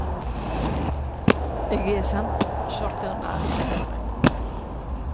Egia esan, zorte ona izan genuen.